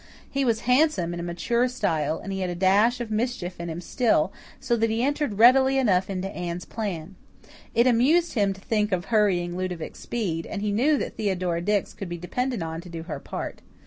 He was handsome in a mature style, and he had a dash of mischief in him still, so that he entered readily enough into Anne's plan. It amused him to think of hurrying Ludovic Speed, and he knew that Theodora Dix could be depended on to do her part.